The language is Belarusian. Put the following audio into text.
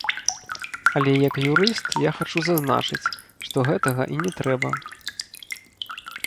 Але як юрыст я хачу зазначыць, што гэтага і не трэба.